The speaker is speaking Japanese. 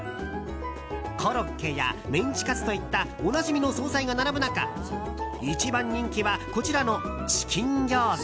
コロッケやメンチカツといったおなじみの総菜が並ぶ中一番人気はこちらのチキンぎょうざ。